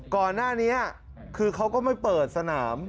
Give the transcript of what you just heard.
ก่อนหน้านี้คือเขาก็ไม่เปิดสนาม